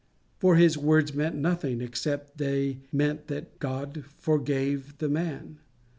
For his words meant nothing, except they meant that God forgave the man.